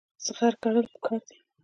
زغر کرل پکار دي.